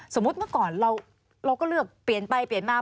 เมื่อก่อนเราก็เลือกเปลี่ยนไปเปลี่ยนมา